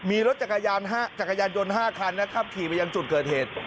มีรถจักรยานจักรยานยนต์๕คันนะครับขี่ไปยังจุดเกิดเหตุ